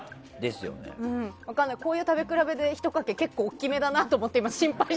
こういう食べ比べで１つ結構大きめだなと思って心配。